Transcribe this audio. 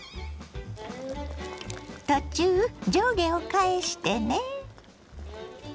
途中上下を返してね。